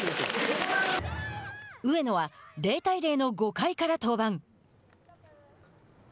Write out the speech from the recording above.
上野は０対０の５回から登板。